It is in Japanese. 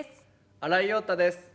新井庸太です。